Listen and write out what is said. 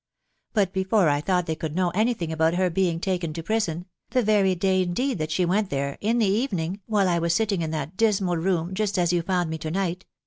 ... But before I thought they could know any thing about her being taken to prison the very day indeed that she went there, in the evening, while I was sitting in that dismal room, just as you found me to night